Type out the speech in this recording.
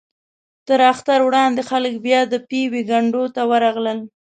تر اختر وړاندې خلک بیا د پېوې کنډو ته ورغلل.